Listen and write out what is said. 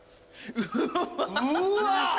うわ！